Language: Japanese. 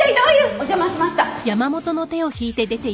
お邪魔しました。